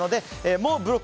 もうブロックを